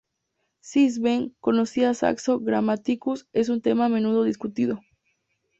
Si Sven conocía a Saxo Grammaticus es un tema a menudo discutido.